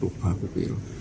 lupa aku pilih